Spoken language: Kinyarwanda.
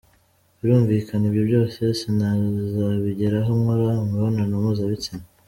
Birumvika ibyo byose sinazabigeraho nkora imibonano mpuzabitsina.